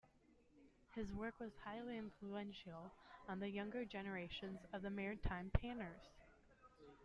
His work was highly influential on the younger generation of maritime painters.